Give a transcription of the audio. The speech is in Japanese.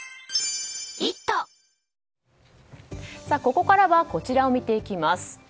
ここからはこちらを見ていきます。